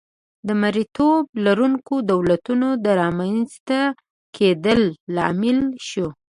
د مریتوب لرونکو دولتونو د رامنځته کېدا لامل شوه.